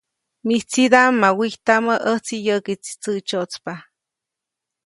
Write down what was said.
‒Mijtsidaʼm ma wijtamä, ʼäjtsi yäʼkiʼtsi tsäʼtsyäʼtspa-.